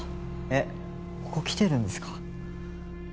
えっここ来てるんですか？